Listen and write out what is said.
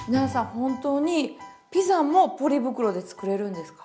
本当にピザもポリ袋で作れるんですか？